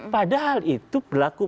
padahal itu berlaku